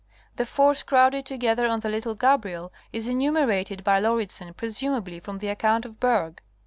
The force crowded together on the little Gabriel is enumerated by Lauridsen presumably from the account of Bergh.